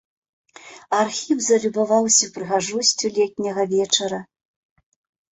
Архіп залюбаваўся прыгажосцю летняга вечара.